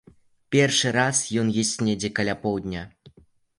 Першы раз ён есць недзе каля поўдня.